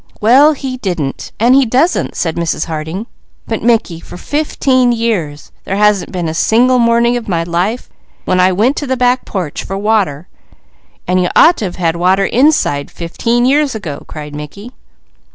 "Well, he didn't; and he doesn't!" said Mrs. Harding. "But Mickey, for fifteen years, there hasn't been a single morning when I went to the back porch for water " "And you ought to have had water inside, fifteen years ago!" cried Mickey.